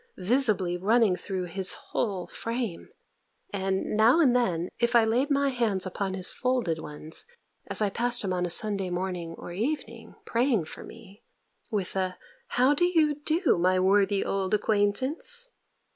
visibly running through his whole frame: and, now and then, if I laid my hands upon his folded ones, as I passed him on a Sunday morning or evening, praying for me, with a "_How do you, my worthy old acquaintance?